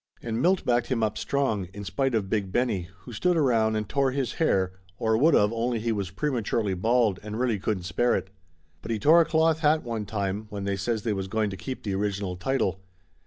And Milt backed him up strong, in spite of Big Benny, who stood around and tore his hair, or would of only he was prematurely bald and really couldn't spare it. But he tore a cloth hat one time, when they says they was going to keep the original title.